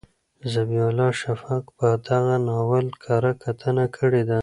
ذبیح الله شفق په دغه ناول کره کتنه کړې ده.